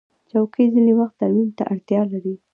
چوکۍ ځینې وخت ترمیم ته اړتیا لري.